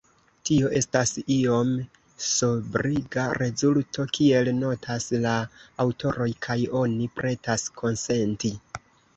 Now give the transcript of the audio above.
Tio estas iom sobriga rezulto, kiel notas la aŭtoroj, kaj oni pretas konsenti.